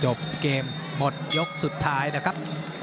จบเกมหมดยกสุดท้ายนะครับ